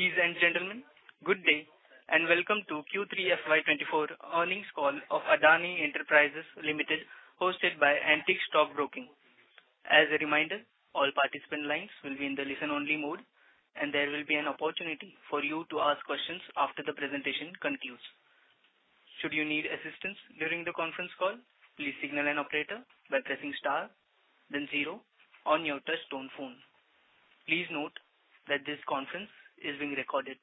Ladies, and gentlemen, good day, and welcome to Q3 FY 2024 Earnings Call of Adani Enterprises Limited, hosted by Antique Stock Broking. As a reminder, all participant lines will be in the listen-only mode, and there will be an opportunity for you to ask questions after the presentation concludes. Should you need assistance during the conference call, please signal an operator by pressing star then zero on your touchtone phone. Please note that this conference is being recorded.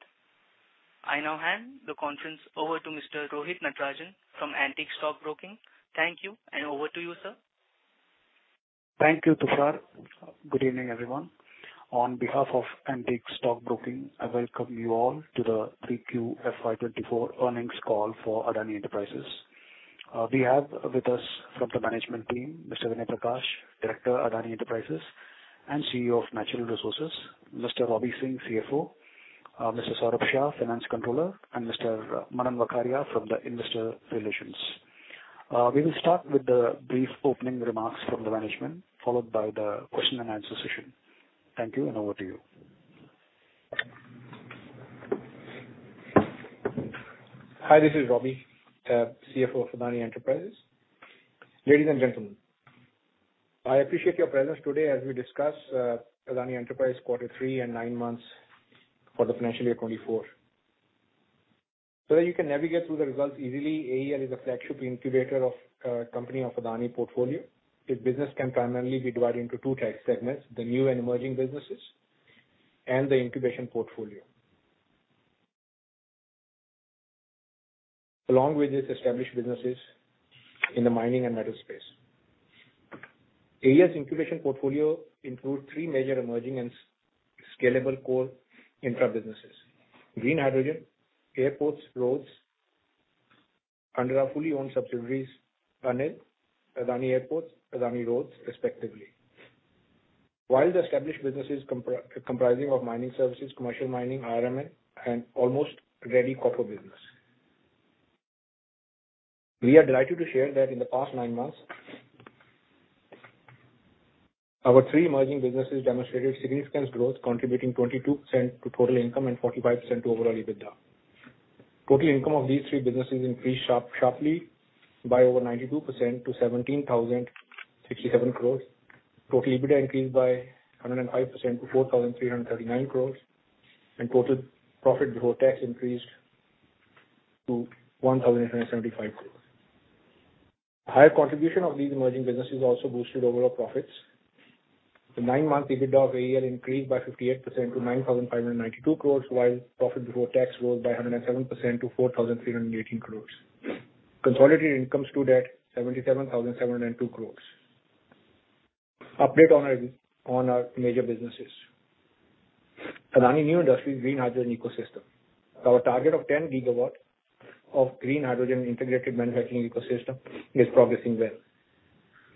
I now hand the conference over to Mr. Rohit Natarajan from Antique Stock Broking. Thank you, and over to you, sir. Thank you, Tushar. Good evening, everyone. On behalf of Antique Stock Broking, I welcome you all to the 3Q FY 2024 Earnings Call for Adani Enterprises. We have with us from the management team, Mr. Vinay Prakash, Director, Adani Enterprises, and CEO of Natural Resources, Mr. Robbie Singh, CFO, Mr. Saurabh Shah, Finance Controller, and Mr. Manan Vakharia from the Investor Relations. We will start with the brief opening remarks from the management, followed by the question-and-answer session. Thank you, and over to you. Hi, this is Robbie, CFO of Adani Enterprises. Ladies, and gentlemen, I appreciate your presence today as we discuss Adani Enterprises quarter three and nine months for the financial year 2024. So that you can navigate through the results easily, AEL is a flagship incubator of company of Adani portfolio. Its business can primarily be divided into two tax segments, the new and emerging businesses and the incubation portfolio. Along with its established businesses in the mining and metal space. AEL's incubation portfolio include three major emerging and scalable core infra businesses: green hydrogen, airports, roads, under our fully owned subsidiaries, ANIL, Adani Airports, Adani Roads, respectively. While the established businesses comprising of mining services, commercial mining, IRM, and almost ready copper business. We are delighted to share that in the past nine months, our three emerging businesses demonstrated significant growth, contributing 22% to total income and 45% to overall EBITDA. Total income of these three businesses increased sharply by over 92% to 17,067 crore. Total EBITDA increased by 105% to 4,339 crore, and total profit before tax increased to 1,875 crore. Higher contribution of these emerging businesses also boosted overall profits. The nine-month EBITDA of AEL increased by 58% to 9,592 crore, while profit before tax rose by 107% to 4,318 crore. Consolidated income stood at 77,702 crore. Update on our major businesses. Adani New Industries Green Hydrogen Ecosystem. Our target of 10 GW of green hydrogen integrated manufacturing ecosystem is progressing well.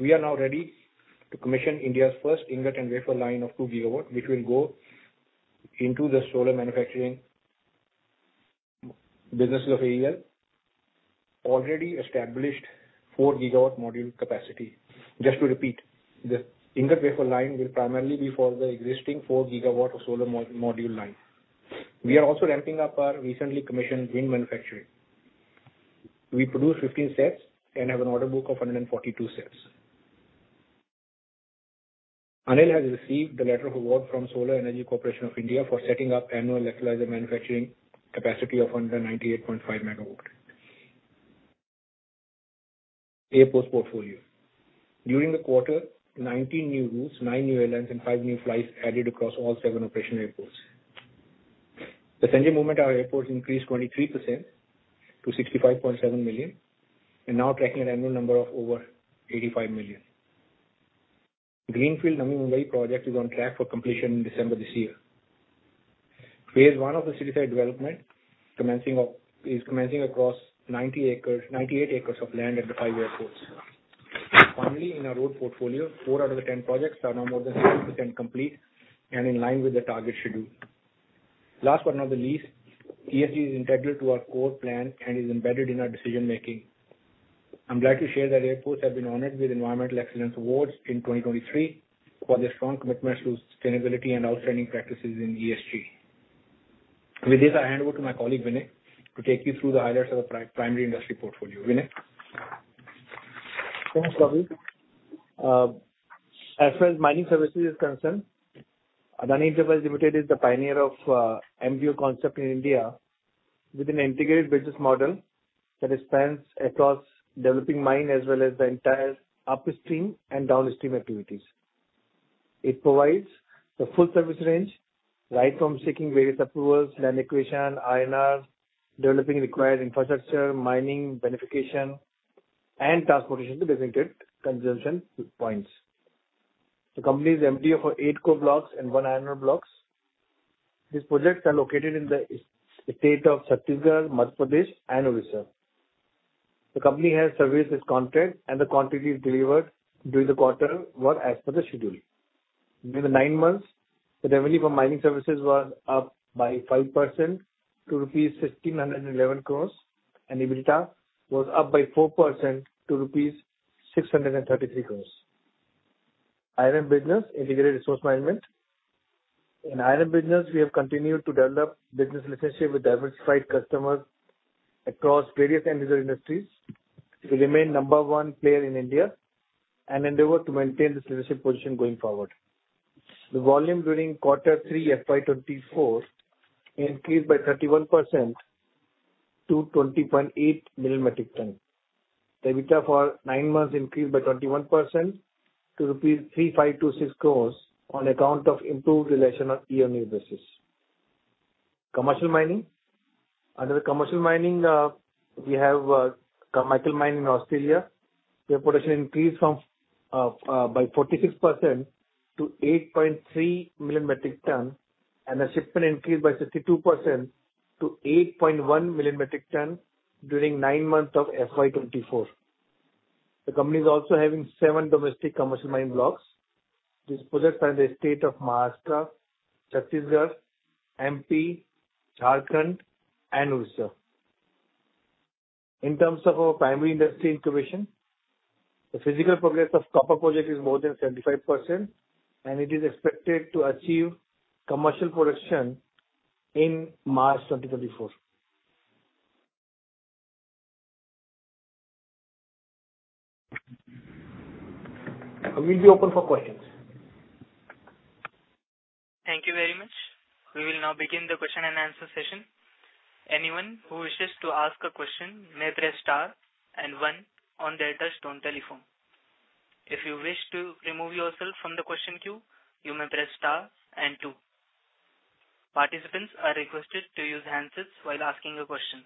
We are now ready to commission India's first ingot and wafer line of 2 GW, which will go into the solar manufacturing businesses of AEL. Already established 4 GW module capacity. Just to repeat, the ingot wafer line will primarily be for the existing 4 GW of solar module line. We are also ramping up our recently commissioned green manufacturing. We produced 15 sets and have an order book of 142 sets. ANIL has received the letter of award from Solar Energy Corporation of India for setting up annual electrolyzer manufacturing capacity of 198.5 MW. Airports portfolio. During the quarter, 19 new routes, nine new airlines, and five new flights added across all seven operational airports. Passenger movement at our airports increased 23% to 65.7 million, and now tracking an annual number of over 85 million. Greenfield Navi Mumbai project is on track for completion in December this year. Phase one of the city side development is commencing across 90 acres, 98 acres of land at the five airports. Finally, in our road portfolio, four out of the 10 projects are now more than 50% complete and in line with the target schedule. Last but not the least, ESG is integral to our core plan and is embedded in our decision-making. I'm glad to share that airports have been honored with Environmental Excellence Awards in 2023 for their strong commitment to sustainability and outstanding practices in ESG. With this, I hand over to my colleague, Vinay, to take you through the highlights of the primary industry portfolio. Vinay? Thanks, Robbie. As far as mining services is concerned, Adani Enterprises Limited is the pioneer of MDO concept in India, with an integrated business model that spans across developing mine, as well as the entire upstream and downstream activities. It provides the full service range, right from seeking various approvals, land acquisition, developing required infrastructure, mining, beneficiation, and transportation to designated consumption points. The company is MDO for eight coal blocks and one iron ore block. These projects are located in the states of Chhattisgarh, Madhya Pradesh, and Odisha. The company has serviced its contract, and the quantity delivered during the quarter were as per the schedule. During the nine months, the revenue from mining services was up by 5% to rupees 1,611 crore, and EBITDA was up by 4% to rupees 633 crore. IRM business, Integrated Resource Management. In IRM business, we have continued to develop business relationship with diversified customers across various end-user industries. We remain number one player in India, and endeavor to maintain this leadership position going forward. The volume during quarter three, FY 2024 increased by 31% to 20.8 million metric ton. EBITDA for nine months increased by 21% to rupees 3,526 crores on account of improved realization on year-on-year basis. Commercial mining. Under the commercial mining, we have, Carmichael mine in Australia. Their production increased by 46% to 8.3 million metric ton, and the shipment increased by 62% to 8.1 million metric ton during nine months of FY 2024. The company is also having seven domestic commercial mine blocks. These projects are in the state of Maharashtra, Chhattisgarh, MP, Jharkhand, and Odisha. In terms of our primary industry incubation, the physical progress of copper project is more than 75%, and it is expected to achieve commercial production in March 2024. We'll be open for questions. Thank you very much. We will now begin the question-and-answer session. Anyone who wishes to ask a question may press star and one on their touchtone telephone. If you wish to remove yourself from the question queue, you may press star and two. Participants are requested to use handsets while asking a question.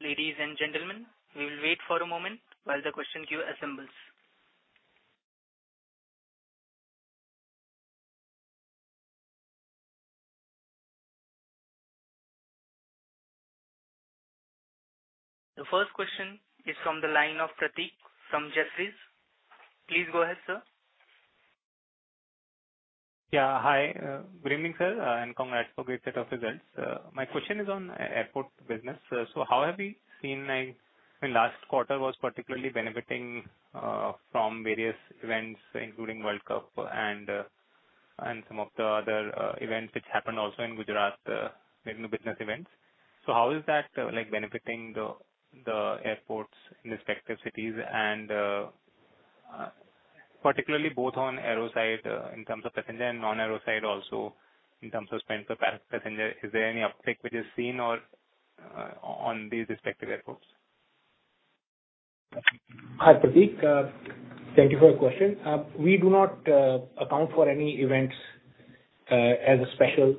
Ladies and gentlemen, we will wait for a moment while the question queue assembles. The first question is from the line of Prateek from Jefferies. Please go ahead, sir. Yeah. Hi, good evening, sir, and congrats for great set of results. My question is on airport business. So how have you seen like... In last quarter was particularly benefiting from various events, including World Cup and some of the other events which happened also in Gujarat during the business events. So how is that like benefiting the airports in respective cities and particularly both on aero side in terms of passenger and non-aero side also, in terms of spend per passenger, is there any uptick which is seen or on these respective airports? Hi, Prateek. Thank you for your question. We do not account for any events as a special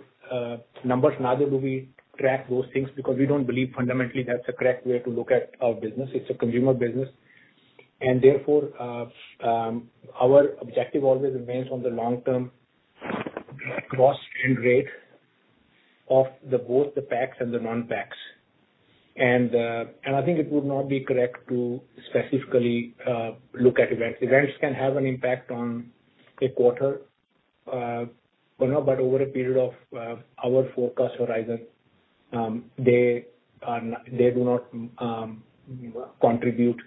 numbers, neither do we track those things, because we don't believe fundamentally that's the correct way to look at our business. It's a consumer business, and therefore, our objective always remains on the long term growth and rate of both the PAX and the non-PAX. And I think it would not be correct to specifically look at events. Events can have an impact on a quarter, but not over a period of our forecast horizon, they do not contribute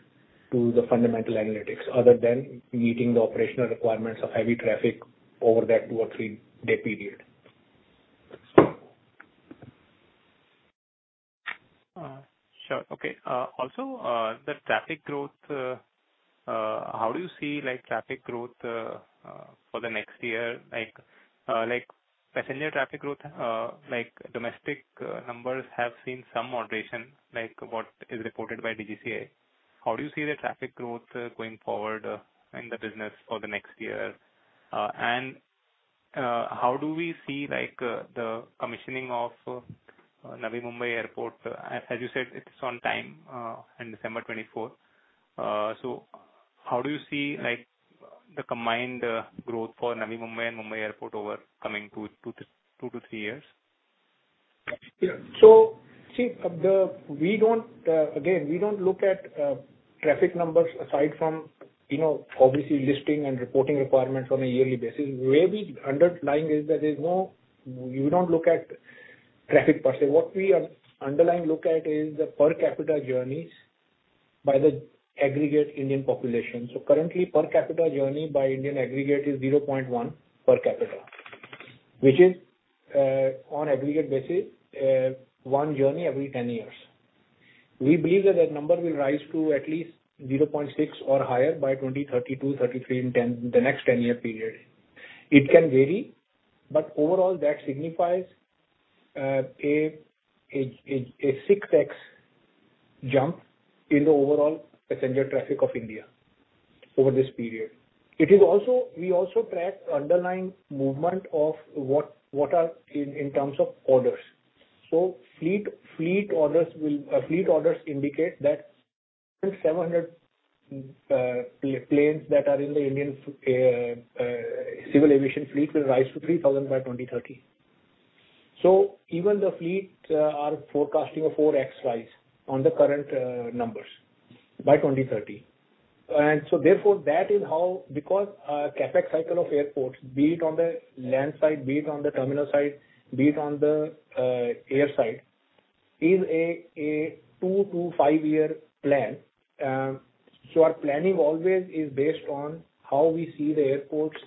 to the fundamental analytics, other than meeting the operational requirements of heavy traffic over that two- or three-day period. Sure. Okay. Also, the traffic growth, how do you see, like, traffic growth for the next year? Like, passenger traffic growth, like domestic numbers have seen some moderation, like what is reported by DGCA. How do you see the traffic growth going forward in the business for the next year? And, how do we see, like, the commissioning of Navi Mumbai airport? As you said, it's on time in December 2024. So how do you see, like, the combined growth for Navi Mumbai and Mumbai Airport over the coming two to three years? Yeah. So see, we don't, again, we don't look at traffic numbers aside from, you know, obviously listing and reporting requirements on a yearly basis. Where we underlying is that there's no, you don't look at traffic per se. What we are underlying look at is the per capita journeys by the aggregate Indian population. So currently, per capita journey by Indian aggregate is 0.1 per capita, which is, on aggregate basis, one journey every 10 years. We believe that that number will rise to at least 0.6 or higher by 2032, 2033, in 10, the next 10-year period. It can vary, but overall, that signifies a 6X jump in the overall passenger traffic of India over this period. We also track underlying movement of what are in terms of orders. So fleet orders indicate that 700 planes that are in the Indian civil aviation fleet will rise to 3,000 by 2030. So even the fleet are forecasting a 4X rise on the current numbers by 2030. And so therefore, that is how, because, CapEx cycle of airports, be it on the land side, be it on the terminal side, be it on the air side, is a two to five year plan. So our planning always is based on how we see the airports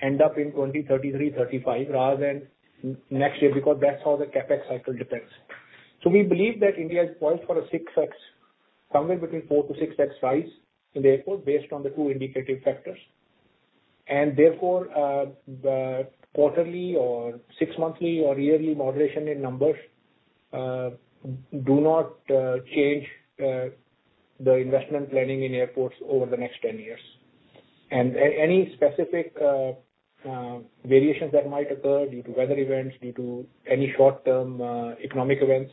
end up in 2033, 2035, rather than next year, because that's how the CapEx cycle depends. So we believe that India is poised for a 6X, somewhere between 4X to 6X size in the airport, based on the two indicative factors. Therefore, the quarterly or six monthly or yearly moderation in numbers do not change the investment planning in airports over the next 10 years. Any specific variations that might occur due to weather events, due to any short-term economic events,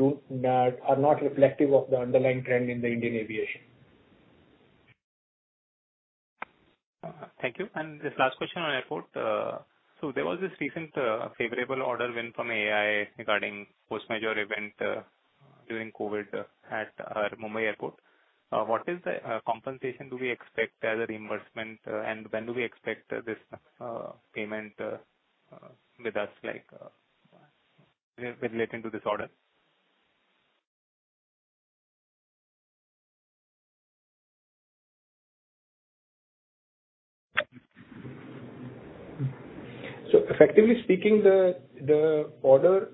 are not reflective of the underlying trend in the Indian aviation. Thank you. This last question on airport. So there was this recent favorable order win from AAI regarding force majeure event during COVID at Mumbai Airport. What is the compensation do we expect as a reimbursement, and when do we expect this payment with us, like, relating to this order? So effectively speaking, the order,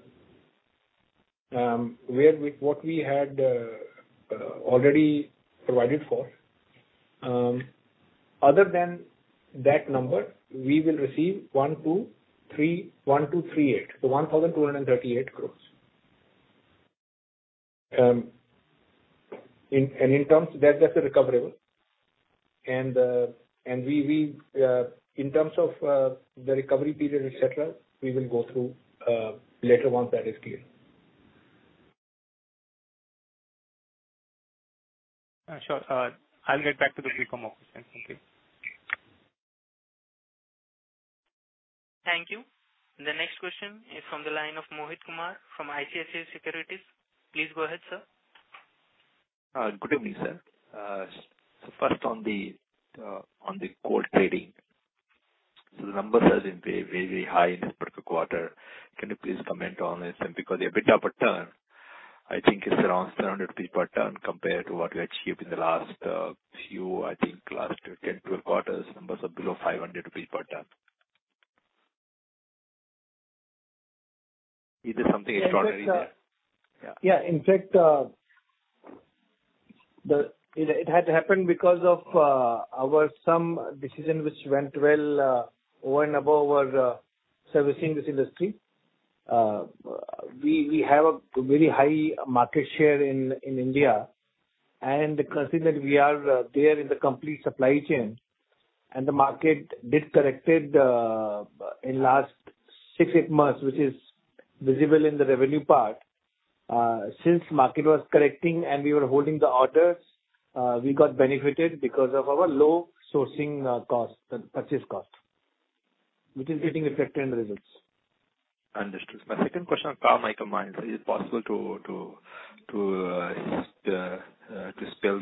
what we had already provided for, other than that number, we will receive 1,238, so 1,238 crore. In terms, that's a recoverable. And we in terms of the recovery period, et cetera, we will go through later once that is clear. Sure. I'll get back to the telecom office. Thank you. Thank you. The next question is from the line of Mohit Kumar from ICICI Securities. Please go ahead, sir. Good evening, sir. So first on the coal trading, so the numbers are very, very high in this particular quarter. Can you please comment on this? And because the EBITDA per ton, I think, is around 700 rupee per ton compared to what you achieved in the last few, I think, last 10, 12 quarters, numbers are below 500 rupee per ton. Is there something extraordinary there? Yeah. In fact, it had happened because of our some decision which went well over and above our servicing this industry. We have a very high market share in India, and considering we are there in the complete supply chain, and the market did corrected in last six to eight months, which is visible in the revenue part. Since market was correcting and we were holding the orders, we got benefited because of our low sourcing cost, the purchase cost, which is getting reflected in the results. Understood. My second question on Carmichael mines. Is it possible to list the details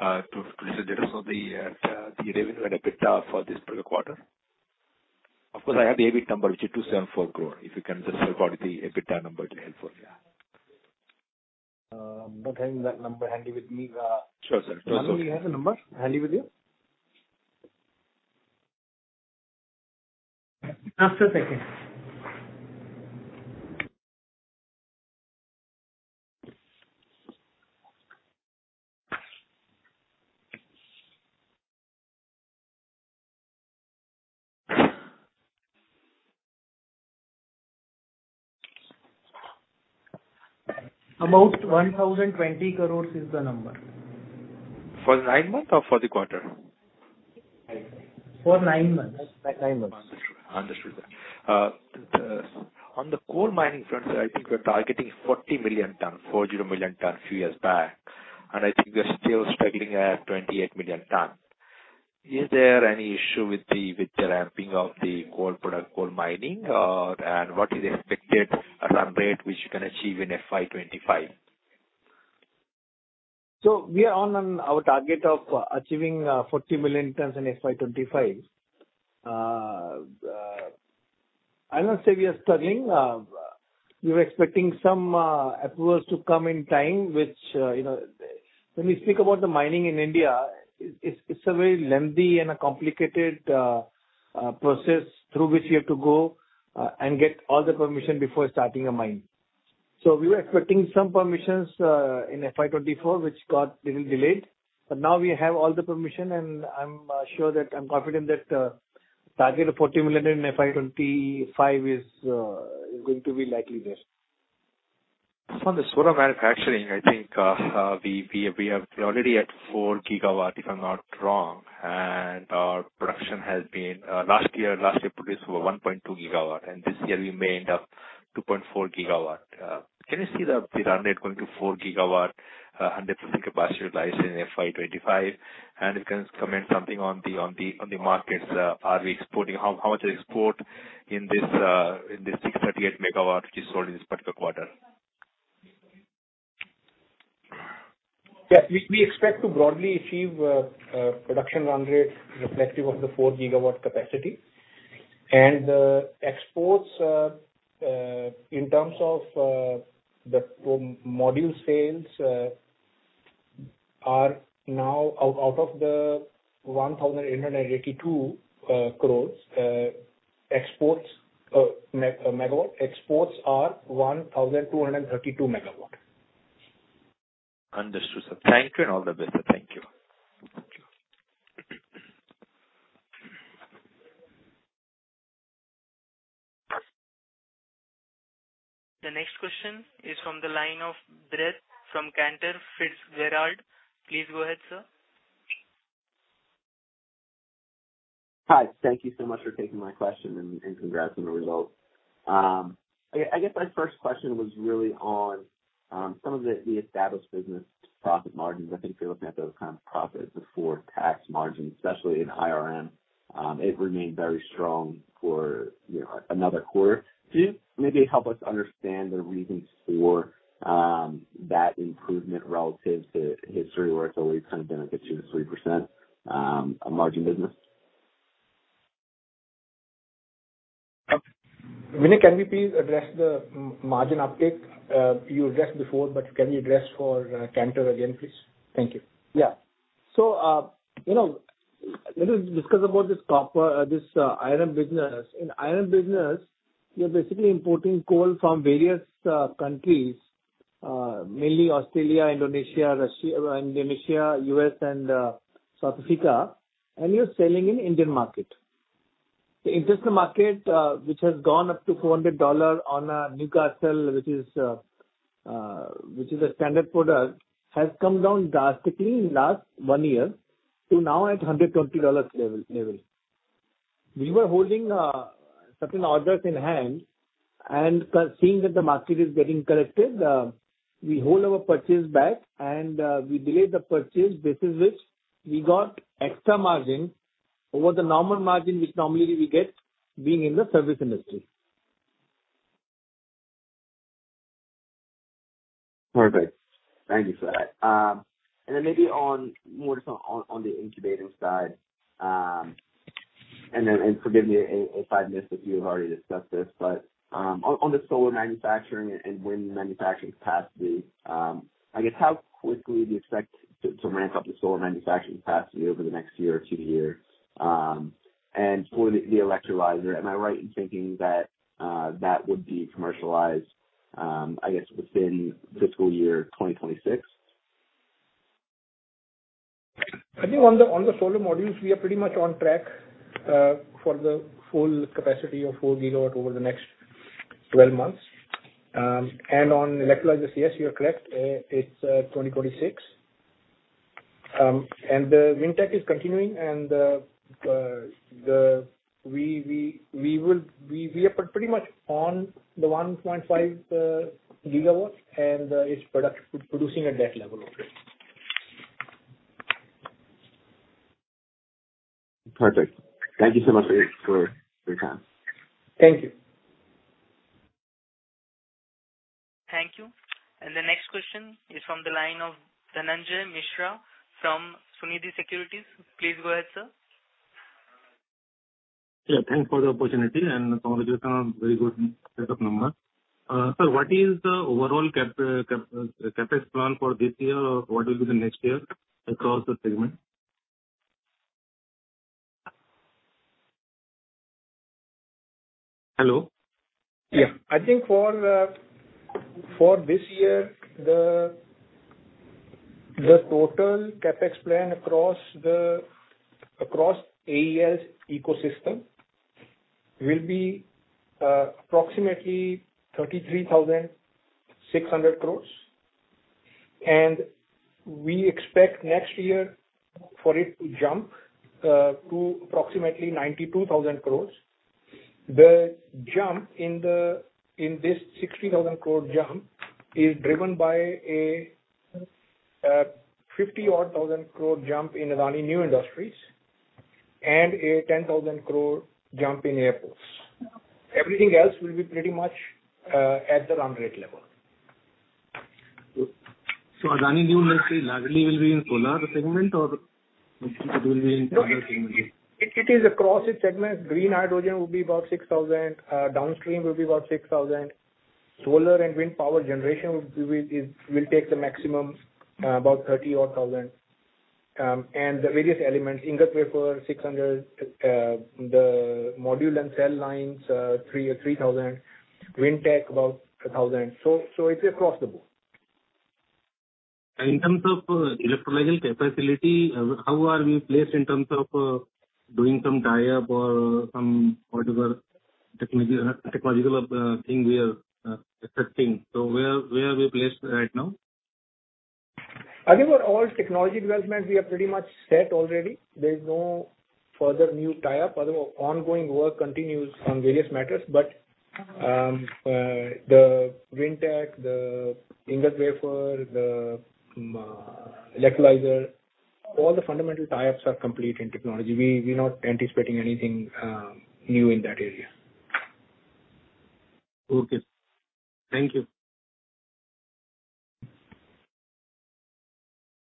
of the revenue and EBITDA for this particular quarter? Of course, I have the EBIT number, which is 274 crore. If you can just provide the EBITDA number, it will helpful. Yeah. I'm not having that number handy with me. Sure, sir. Do you have the number handy with you? Just a second. About 1,020 crore is the number. For the nine months or for the quarter? For nine months. Nine months. Understood. Understood that. On the coal mining front, I think we're targeting 40 million tons, 40 million tons, a few years back, and I think we're still struggling at 28 million ton. Is there any issue with the ramping of the coal product, coal mining, and what is expected at run rate, which you can achieve in FY 2025? So we are on our target of achieving 40 million tons in FY 2025. I'll not say we are struggling. We were expecting some approvals to come in time, which, you know, when we speak about the mining in India, it's a very lengthy and a complicated process through which you have to go and get all the permission before starting a mine. So we were expecting some permissions in FY 2024, which got little delayed. But now we have all the permission, and I'm sure that, I'm confident that target of 40 million in FY 2025 is going to be likely there. On the solar manufacturing, I think, we are already at 4 GW, if I'm not wrong, and our production has been, last year produced 1.2 GW, and this year we may end up 2.4 GW. Can you see the run rate going to 4 GW, 100% capacity utilized in FY 2025? And if you can comment something on the markets, are we exporting? How much export in this 638 MW which is sold in this particular quarter?... Yeah, we, we expect to broadly achieve, production run rate reflective of the 4 GW capacity. And the exports, in terms of, the module sales, are now out, out of the 1,882 crore, exports, megawatt, exports are 1,232 MW. Understood, sir. Thank you, and all the best. Thank you. The next question is from the line of Brett from Cantor Fitzgerald. Please go ahead, sir. Hi. Thank you so much for taking my question, and congrats on the results. I guess my first question was really on some of the established business profit margins. I think if you're looking at those kind of profit before tax margins, especially in IRM, it remained very strong for, you know, another quarter. Could you maybe help us understand the reasons for that improvement relative to history, where it's always kind of been a 2%-3% margin business? Vinay, can we please address the margin update? You addressed before, but can you address for, Cantor again, please? Thank you. Yeah. So, you know, let us discuss about this copper, this, IRM business. In IRM business, you're basically importing coal from various, countries, mainly Australia, Indonesia, Russia, Indonesia, U.S., and, South Africa, and you're selling in Indian market. The international market, which has gone up to $400 on, Newcastle, which is, which is a standard product, has come down drastically in last one year to now at $120 level, level. We were holding, certain orders in hand, and seeing that the market is getting corrected, we hold our purchase back, and, we delayed the purchase. This is which we got extra margin over the normal margin, which normally we get being in the service industry. Perfect. Thank you, sir. And then maybe on more just on the incubating side, and forgive me if I missed, if you have already discussed this, but on the solar manufacturing and wind manufacturing capacity, I guess, how quickly do you expect to ramp up the solar manufacturing capacity over the next year or two year? And for the electrolyzer, am I right in thinking that that would be commercialized, I guess, within fiscal year 2026? I think on the solar modules, we are pretty much on track for the full capacity of 4 GW over the next 12 months. And on electrolyzer, yes, you are correct. It's 2026. And the Windtech is continuing, and we are pretty much on the 1.5 GW, and it's product producing at that level already. Perfect. Thank you so much for your time. Thank you. Thank you. The next question is from the line of Dhananjay Mishra from Sunidhi Securities. Please go ahead, sir. Yeah, thanks for the opportunity, and congratulations on very good set of numbers. Sir, what is the overall CapEx plan for this year, or what will be the next year across the segment? Hello? Yeah. I think for this year, the total CapEx plan across AEL's ecosystem will be approximately 33,600 crore, and we expect next year for it to jump to approximately 92,000 crore. The jump in this 60,000 crore jump is driven by a 50,000-odd crore jump in Adani New Industries, and a 10,000 crore jump in airports. Everything else will be pretty much at the run rate level. Adani New Industries largely will be in solar segment, or it will be in- It is across its segments. Green hydrogen will be about 6,000, downstream will be about 6,000, solar and wind power generation will take the maximum, about 30,000. And the various elements, ingot wafer, 600, the module and cell lines, 3,000, Windtech, about 1,000. So it's across the board. In terms of electrolyzer capacity, how are we placed in terms of doing some tie-up or some whatever technology, technological thing we are accepting? Where, where are we placed right now? I think for all technology developments, we are pretty much set already. There's no further new tie-up. Other ongoing work continues on various matters, but the Windtech, the ingot wafer, the electrolyzer, all the fundamental tie-ups are complete in technology. We, we're not anticipating anything, new in that area.... Okay. Thank you.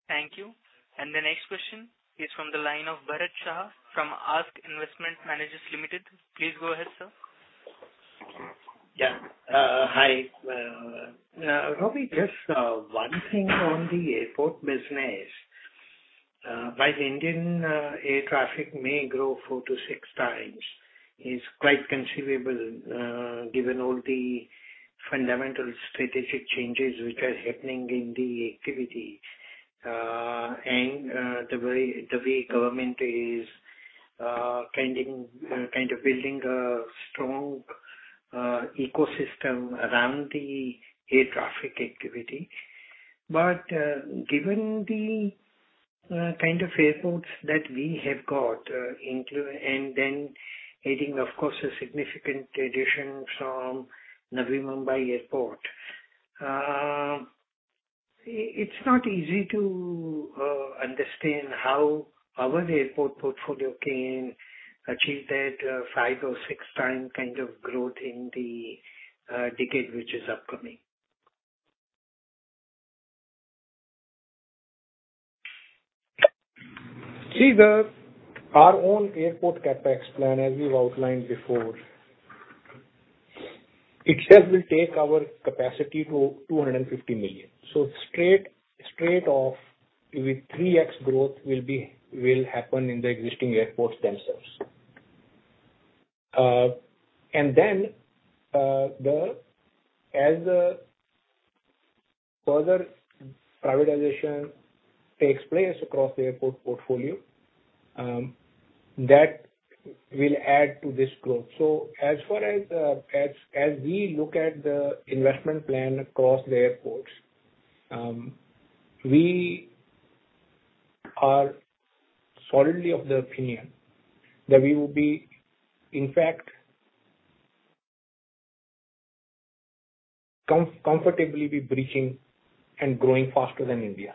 Thank you. The next question is from the line of Bharat Shah from ASK Investment Managers Limited. Please go ahead, sir. Yeah. Hi, Robbie, just one thing on the airport business. While the Indian air traffic may grow four to six times, is quite conceivable, given all the fundamental strategic changes which are happening in the activity, and the way government is trending, kind of building a strong ecosystem around the air traffic activity. But, given the kind of airports that we have got, and then adding, of course, a significant addition from Navi Mumbai Airport. It's not easy to understand how our airport portfolio can achieve that five or six time kind of growth in the decade, which is upcoming. See, our own airport CapEx plan, as we've outlined before, it just will take our capacity to 250 million. So straight off, with 3X growth will happen in the existing airports themselves. And then, the, as the further privatization takes place across the airport portfolio, that will add to this growth. So as far as we look at the investment plan across the airports, we are solidly of the opinion that we will be, in fact, comfortably be breaching and growing faster than India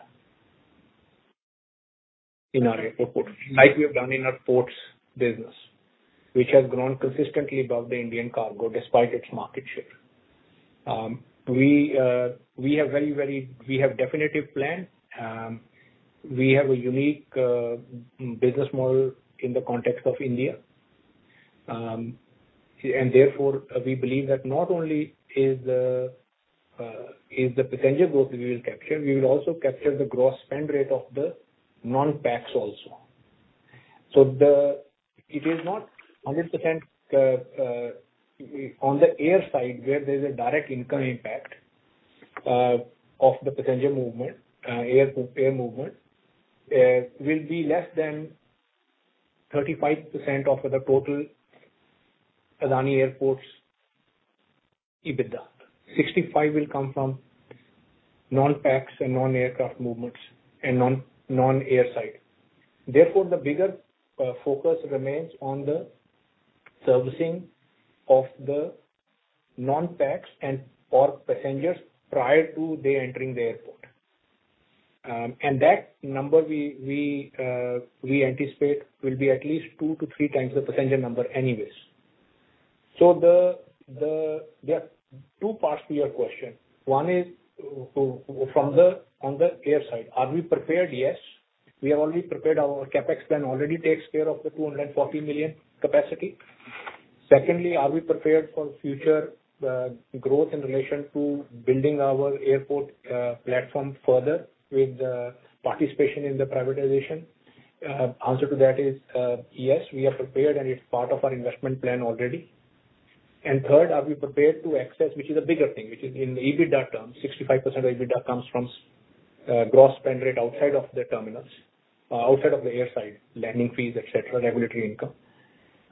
in our airport, like we have done in our ports business, which has grown consistently above the Indian cargo despite its market share. We have very definitive plan. We have a unique business model in the context of India. And therefore, we believe that not only is the potential growth we will capture, we will capture the gross spend rate of the non-PAX also. So it is not 100%, on the air side, where there's a direct income impact of the passenger movement, air movement, will be less than 35% of the total Adani Airports EBITDA. 65 will come from non-PAX and non-aircraft movements and non-air side. Therefore, the bigger focus remains on the servicing of the non-PAX and or passengers prior to they entering the airport. And that number we anticipate will be at least two to three times the passenger number anyways. So there are two parts to your question. One is, so from the on the air side, are we prepared? Yes, we have already prepared our CapEx plan already takes care of the 240 million capacity. Secondly, are we prepared for future, growth in relation to building our airport, platform further with the participation in the privatization? Answer to that is, yes, we are prepared, and it's part of our investment plan already. And third, are we prepared to access, which is a bigger thing, which is in EBITDA terms, 65% of EBITDA comes from, gross spend rate outside of the terminals, outside of the air side, landing fees, et cetera, regulatory income.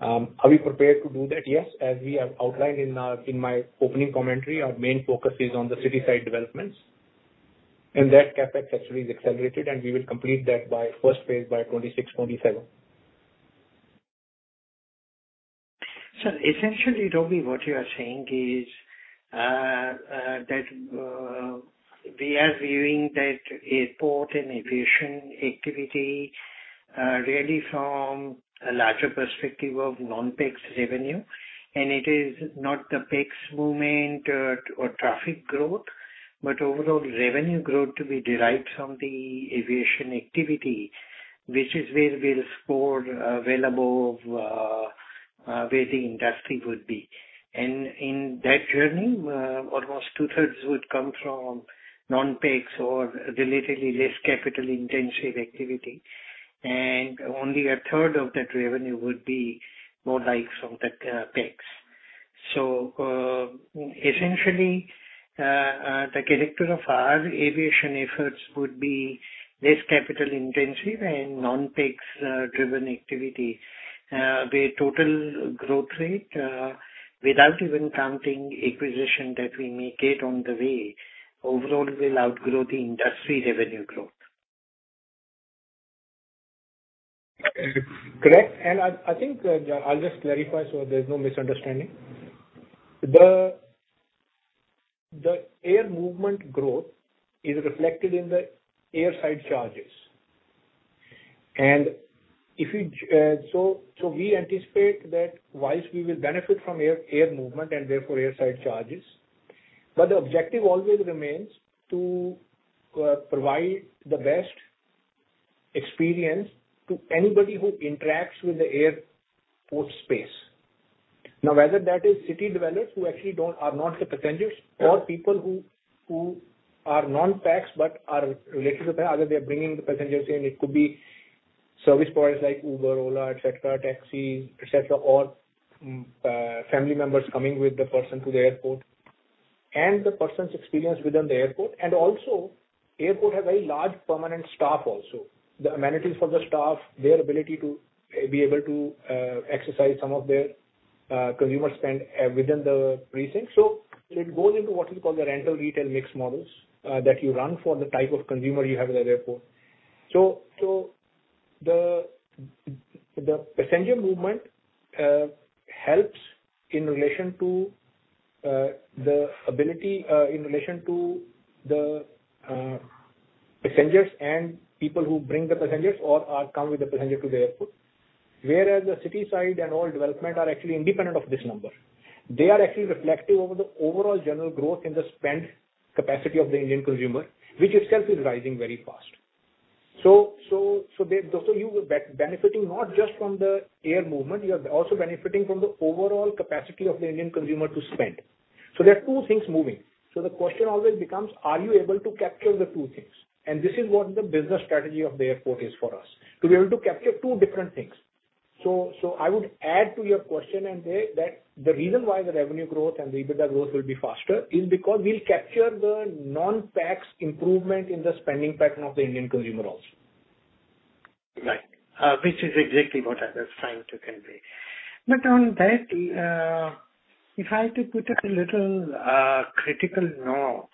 Are we prepared to do that? Yes, as we have outlined in my opening commentary, our main focus is on the city side developments, and that CapEx actually is accelerated, and we will complete that by first phase by 2026, 2027. So essentially, Robbie, what you are saying is, that, we are viewing that airport and aviation activity, really from a larger perspective of non-PAX revenue, and it is not the PAX movement, or traffic growth, but overall revenue growth to be derived from the aviation activity, which is where we'll score well above, where the industry would be. And in that journey, almost 2/3 would come from non-PAX or relatively less capital-intensive activity, and only a third of that revenue would be more like from the, PAX. So, essentially, the character of our aviation efforts would be less capital-intensive and non-PAX, driven activity. The total growth rate, without even counting acquisition that we make it on the way, overall will outgrow the industry revenue growth. Correct. And I think I'll just clarify, so there's no misunderstanding. The air movement growth is reflected in the airside charges. And if you so we anticipate that whilst we will benefit from air movement and therefore airside charges, but the objective always remains to provide the best experience to anybody who interacts with the airport space. Now, whether that is city developers who actually are not the passengers, or people who are non-PAX but are related to the passenger, they are bringing the passengers in. It could be service providers like Uber, Ola, et cetera, taxi, et cetera, or family members coming with the person to the airport, and the person's experience within the airport. And also, airport has a very large permanent staff also. The amenities for the staff, their ability to be able to exercise some of their consumer spend within the precinct. So it goes into what we call the rental retail mixed models that you run for the type of consumer you have in the airport. So the passenger movement helps in relation to the ability in relation to the passengers and people who bring the passengers or come with the passenger to the airport. Whereas the city side and all development are actually independent of this number. They are actually reflective over the overall general growth in the spend capacity of the Indian consumer, which itself is rising very fast. So you are benefiting not just from the air movement, you are also benefiting from the overall capacity of the Indian consumer to spend. So there are two things moving. So the question always becomes: Are you able to capture the two things? And this is what the business strategy of the airport is for us, to be able to capture two different things. So I would add to your question and say that the reason why the revenue growth and EBITDA growth will be faster is because we'll capture the non-PAX improvement in the spending pattern of the Indian consumer also. Right. Which is exactly what I was trying to convey. But on that, if I had to put a little critical note,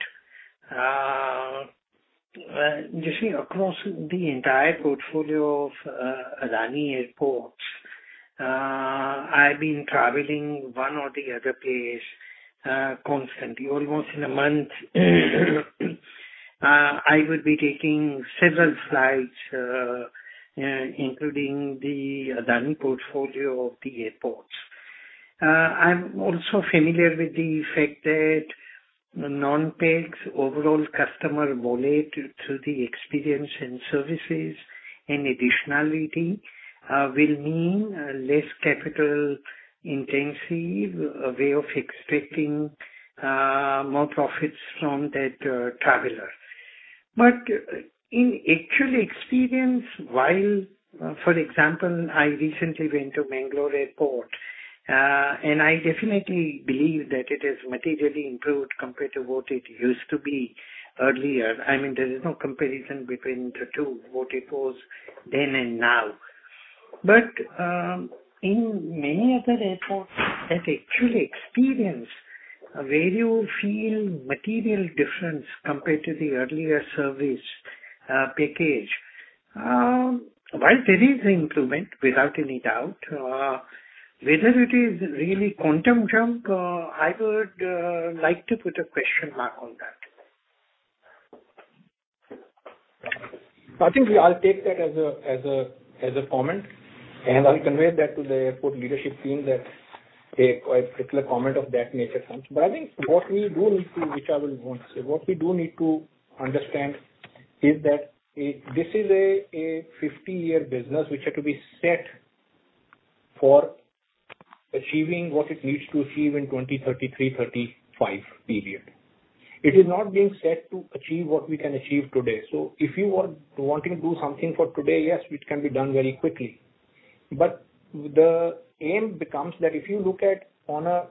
you see, across the entire portfolio of Adani Airports, I've been traveling one or the other place constantly. Almost in a month, I would be taking several flights, including the Adani portfolio of the airports. I'm also familiar with the fact that non-PAX overall customer wallet through the experience and services and additionality will mean less capital intensive way of extracting more profits from that traveler. But in actual experience, while... For example, I recently went to Bangalore Airport, and I definitely believe that it has materially improved compared to what it used to be earlier. I mean, there is no comparison between the two, what it was then and now. But, in many other airports that actually experience, where you feel material difference compared to the earlier service package, while there is improvement, without any doubt, whether it is really quantum jump, I would like to put a question mark on that. I think I'll take that as a comment, and I'll convey that to the airport leadership team that a particular comment of that nature comes. But I think what we do need to understand is that this is a 50-year business which had to be set for achieving what it needs to achieve in 2033-2035 period. It is not being set to achieve what we can achieve today. So if you are wanting to do something for today, yes, which can be done very quickly. But the aim becomes that if you look at the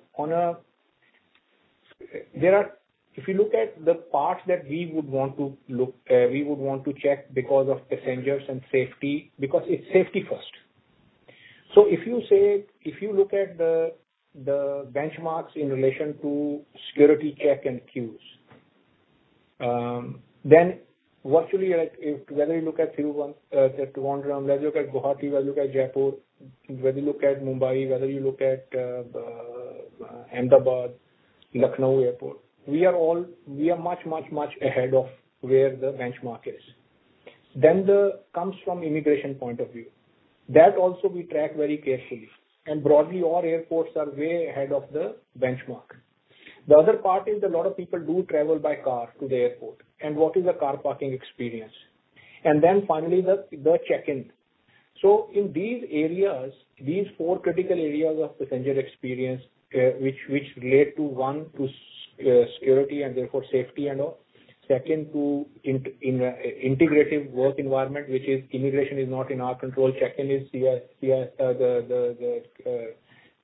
parts that we would want to look, we would want to check because of passengers and safety, because it's safety first. So if you say, if you look at the benchmarks in relation to security check and queues, then virtually, whether you look at Trivandrum, let's look at Guwahati, whether you look at Jaipur, whether you look at Mumbai, whether you look at Ahmedabad, Lucknow Airport, we are—we are much, much, much ahead of where the benchmark is. Then that comes from immigration point of view. That also we track very carefully, and broadly, all airports are way ahead of the benchmark. The other part is a lot of people do travel by car to the airport, and what is the car parking experience? And then finally, the check-in. So in these areas, these four critical areas of passenger experience, which relate to one, to security and therefore safety and all. Second, an integrated work environment, which immigration is not in our control. Check-in is in our control,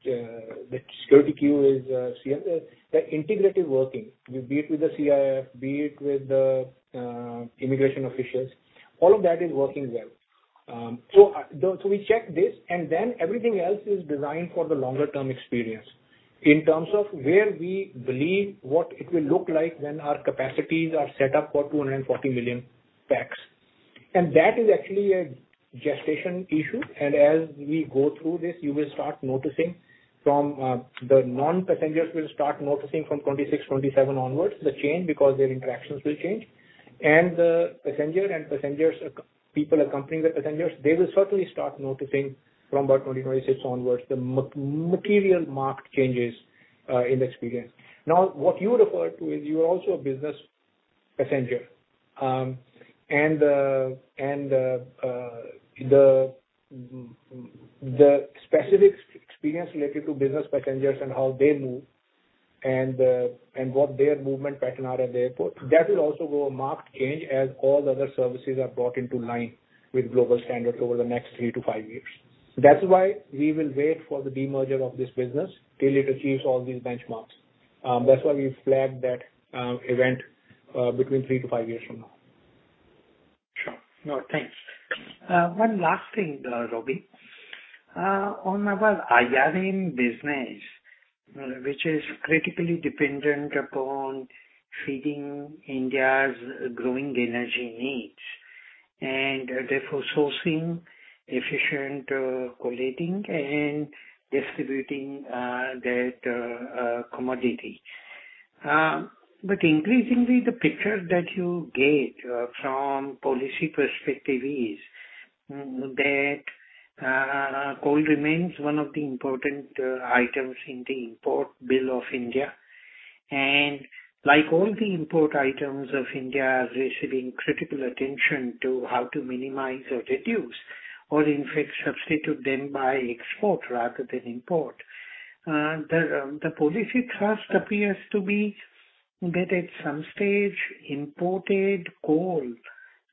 the security queue is in our control. The integrated working, be it with the CISF, be it with the immigration officials, all of that is working well. So we check this, and then everything else is designed for the longer term experience, in terms of where we believe what it will look like when our capacities are set up for 240 million PAX. And that is actually a gestation issue. And as we go through this, you will start noticing from the non-PAX will start noticing from 2026, 2027 onwards, the change, because their interactions will change. The passenger and passengers, people accompanying the passengers, they will certainly start noticing from about 2026 onwards, the material marked changes in experience. Now, what you refer to is you are also a business passenger. The specific experience related to business passengers and how they move and what their movement pattern are in the airport, that will also go a marked change as all the other services are brought into line with global standards over the next three to five years. That's why we will wait for the demerger of this business till it achieves all these benchmarks. That's why we've flagged that event between three to five years from now. Sure. No, thanks. One last thing, Robbie. On our IRM business, which is critically dependent upon feeding India's growing energy needs, and therefore sourcing efficient coal trading and distributing that commodity. But increasingly the picture that you get from policy perspective is that coal remains one of the important items in the import bill of India. And like all the import items of India, are receiving critical attention to how to minimize or reduce, or in fact, substitute them by export rather than import. The policy thrust appears to be that at some stage, imported coal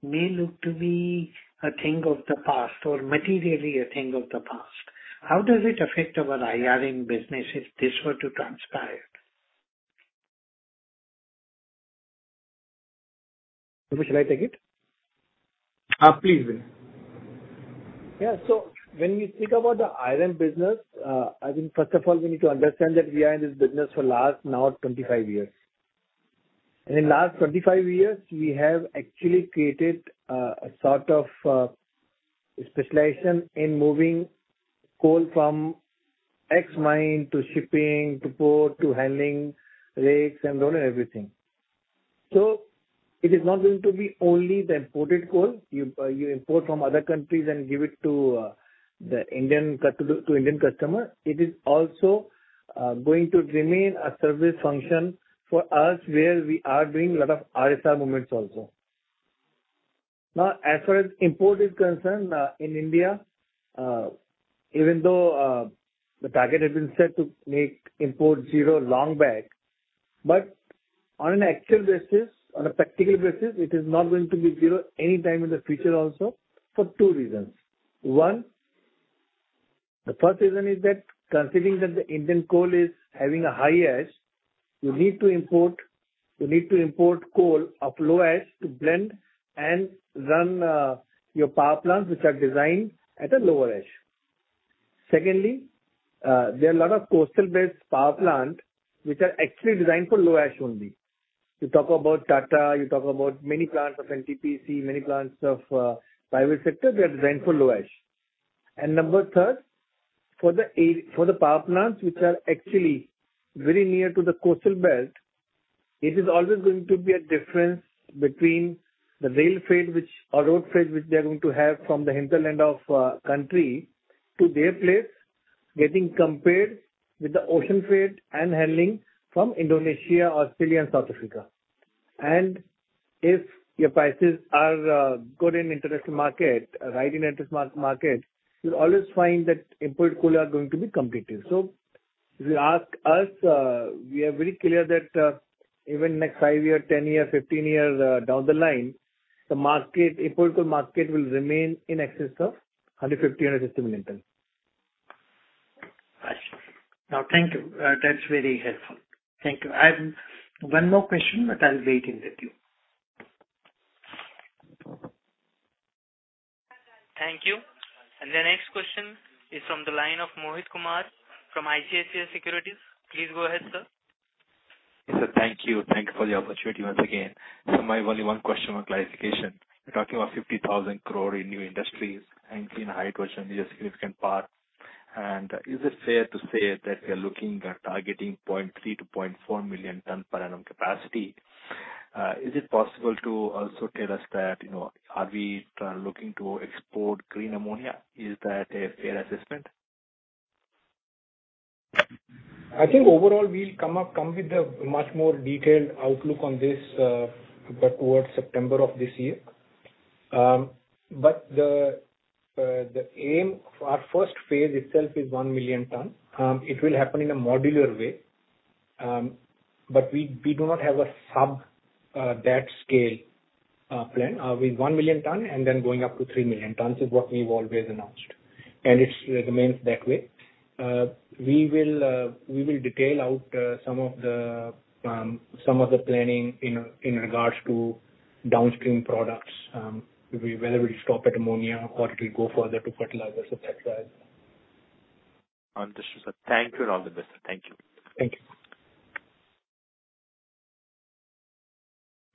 may look to be a thing of the past or materially a thing of the past. How does it affect our IRM business, if this were to transpire? Should I take it? Please, Vinay. Yeah. So when we think about the IRM business, I think first of all, we need to understand that we are in this business for last now 25 years. And in last 25 years, we have actually created a sort of specialization in moving coal from X mine to shipping, to port, to handling, rail and road and everything. So it is not going to be only the imported coal, you import from other countries and give it to the Indian customer. It is also going to remain a service function for us, where we are doing a lot of RSR movements also. Now, as far as import is concerned, in India, even though the target has been set to make import zero long back, but on an actual basis, on a practical basis, it is not going to be zero anytime in the future also, for two reasons. One, the first reason is that considering that the Indian coal is having a high ash, you need to import, you need to import coal of low ash to blend and run your power plants, which are designed at a lower ash. Secondly, there are a lot of coastal-based power plant, which are actually designed for low ash only. You talk about Tata, you talk about many plants of NTPC, many plants of private sector, they are designed for low ash. Number third, for the power plants, which are actually very near to the coastal belt, it is always going to be a difference between the rail freight which or road freight, which they are going to have from the hinterland of country, to their place, getting compared with the ocean freight and handling from Indonesia, Australia and South Africa. And if your prices are good in international market, right in international market, you'll always find that import coal are going to be competitive. So if you ask us, we are very clear that even next five year, 10 years, 15 years down the line, the market, import coal market will remain in excess of 150, 160 million tons. Got you. Now, thank you. That's very helpful. Thank you. I have one more question, but I'll wait in the queue. Thank you. The next question is from the line of Mohit Kumar, from ICICI Securities. Please go ahead, sir. Yes, sir. Thank you. Thank you for the opportunity once again. So my only one question, one clarification. You're talking about 50,000 crore in new industries, and clean hydrogen is a significant part. And is it fair to say that we are looking at targeting 0.3 million-0.4 million ton per annum capacity? Is it possible to also tell us that, you know, are we looking to export green ammonia? Is that a fair assessment? I think overall we'll come up, come with a much more detailed outlook on this, towards September of this year. But the aim, our first phase itself is 1 million ton. It will happen in a modular way. But we, we do not have a subscale plan. With 1 million ton and then going up to 3 million tons, is what we've always announced, and it remains that way. We will detail out some of the, some of the planning in, in regards to downstream products, whether we stop at ammonia or it will go further to fertilizers of that side. Understood, sir. Thank you, Robbie. Thank you. Thank you.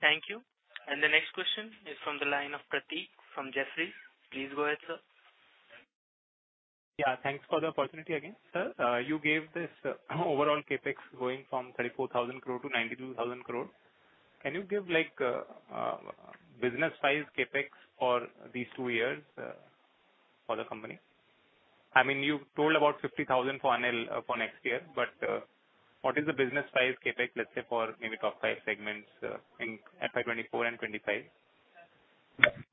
Thank you. The next question is from the line of Prateek from Jefferies. Please go ahead, sir. Yeah, thanks for the opportunity again. Sir, you gave this overall CapEx going from 34,000 crore to 92,000 crore. Can you give, like, business-wise CapEx for these two years, for the company? I mean, you told about 50,000 crore for ANIL, for next year, but, what is the business-wise CapEx, let's say, for maybe top five segments, in FY 2024 and 2025?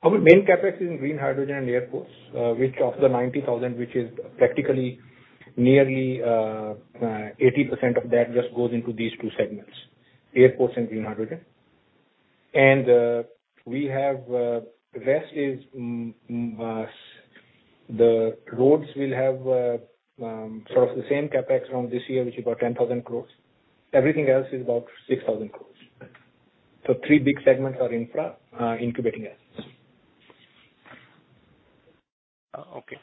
Our main CapEx is in green hydrogen and airports, which of the 90,000 crore, which is practically nearly 80% of that just goes into these two segments, airports and green hydrogen. We have the rest is, the roads will have sort of the same CapEx from this year, which is about 10,000 crore. Everything else is about 6,000 crore. Three big segments are infra, incubating assets. Okay.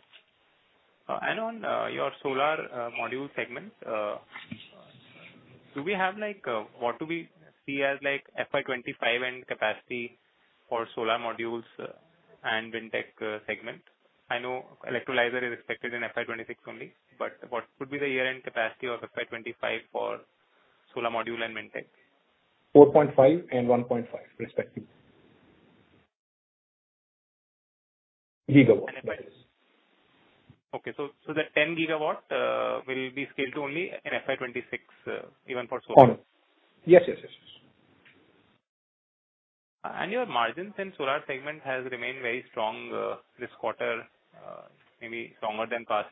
And on your solar module segment, do we have, like, what do we see as, like, FY 2025 end capacity for solar modules and Windtech segment? I know electrolyzer is expected in FY 2026 only, but what would be the year-end capacity of FY 2025 for solar module and Windtech? 4.5 GW and 1.5 GW respectively. Gigawatts. Okay. So, so that 10 GW will be scaled to only in FY 2026, even for solar? Yes, yes, yes, yes. Your margins in solar segment has remained very strong, this quarter, maybe stronger than past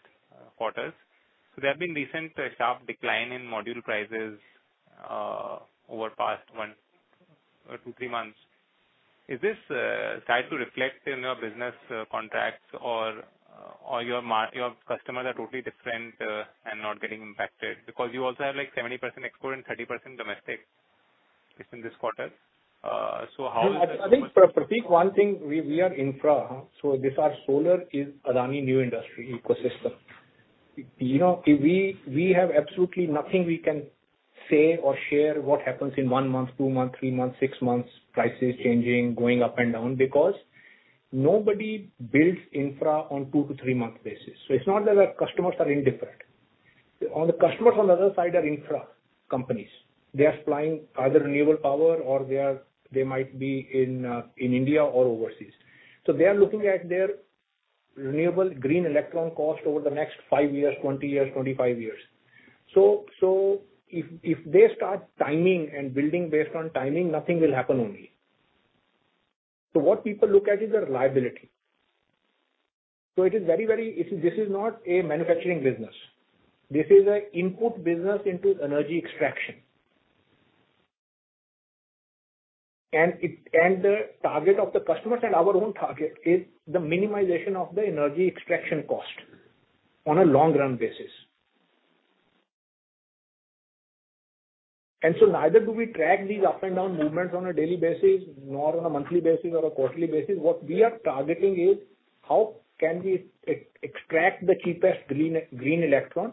quarters. So there have been recent sharp decline in module prices, over past one or two, three months. Is this start to reflect in your business contracts or, or your customers are totally different and not getting impacted? Because you also have, like, 70% export and 30% domestic within this quarter. So how- I think, Prateek, one thing, we are infra, so therefore solar is Adani New Industries ecosystem. You know, we have absolutely nothing we can say or share what happens in one month, two months, three months, six months, prices changing, going up and down, because nobody builds infra on two-to-three-month basis. So it's not that our customers are indifferent. On the... Customers on the other side are infra companies. They are supplying either renewable power or they are-- they might be in, in India or overseas. So they are looking at their renewable green electron cost over the next five years, 20 years, 25 years. So if they start timing and building based on timing, nothing will happen only. So what people look at is the reliability. So it is very, very... This is not a manufacturing business, this is an input business into energy extraction. And the target of the customers and our own target is the minimization of the energy extraction cost on a long-run basis. And so neither do we track these up and down movements on a daily basis, nor on a monthly basis or a quarterly basis. What we are targeting is, how can we extract the cheapest green electron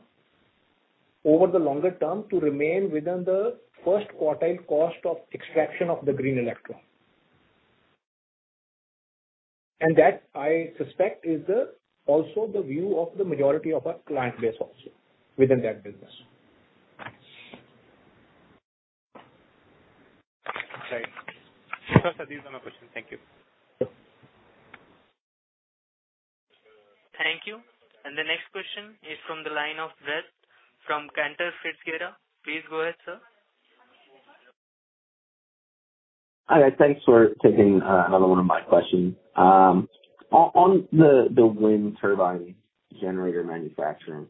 over the longer term to remain within the first quartile cost of extraction of the green electron? And that, I suspect, is also the view of the majority of our client base also within that business. Right. These are my questions. Thank you. Sure. Thank you. The next question is from the line of Brett from Cantor Fitzgerald. Please go ahead, sir. Hi, guys. Thanks for taking another one of my questions. On the wind turbine generator manufacturing,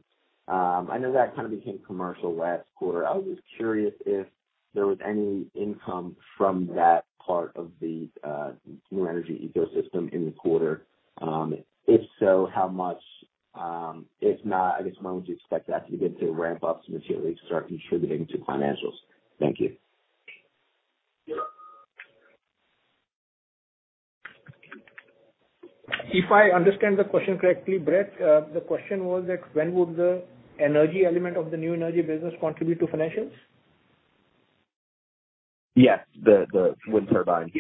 I know that kind of became commercial last quarter. I was just curious if there was any income from that part of the new energy ecosystem in the quarter. If so, how much? If not, I guess when would you expect that to begin to ramp up materially to start contributing to financials? Thank you. If I understand the question correctly, Brett, the question was that when would the energy element of the new energy business contribute to financials? Yes, the wind turbine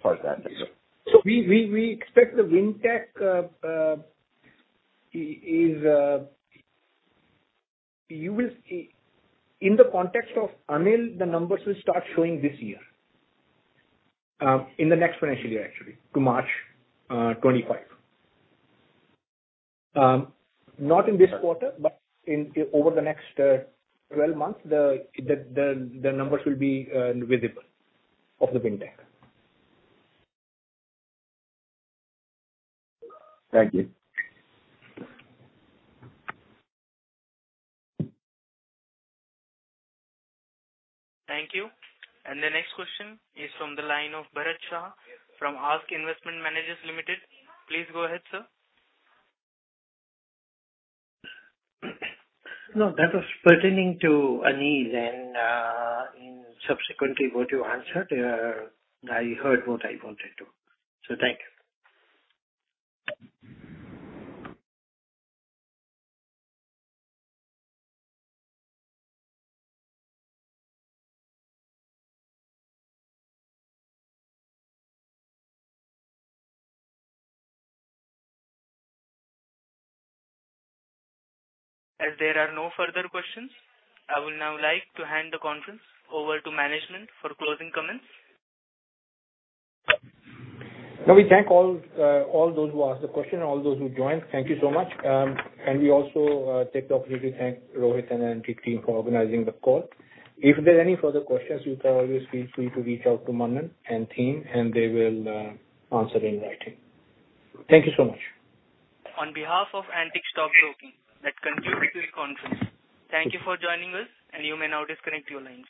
part of that business. So we expect the Windtech is. You will see, in the context of ANIL, the numbers will start showing this year, in the next financial year, actually, to March 2025. Not in this quarter, but over the next 12 months, the numbers will be visible of the Windtech. Thank you. Thank you. And the next question is from the line of Bharat Shah from ASK Investment Managers Limited. Please go ahead, sir. No, that was pertaining to ANIL, and, and subsequently what you answered, I heard what I wanted to. So thank you. As there are no further questions, I would now like to hand the conference over to management for closing comments. Now, we thank all, all those who asked the question, all those who joined. Thank you so much. And we also take the opportunity to thank Rohit and the team for organizing the call. If there are any further questions, you can always feel free to reach out to Manan and team, and they will answer in writing. Thank you so much. On behalf of Antique Stock Broking, that concludes the conference. Thank you for joining us, and you may now disconnect your lines.